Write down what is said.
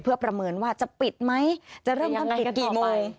เพื่อประเมินว่าจะปิดไหมจะเริ่มต้นปิดกี่โมง